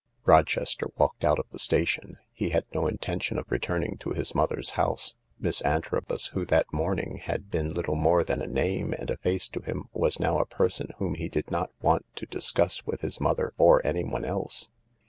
Rochester walked out of the station. He had no inten tion of returning to his mother's house. Miss Antrobus THE LARK 17 who that morning had been little more than a name and a face to him, was now a person whom he did not want to discuss with his mother or anyone else.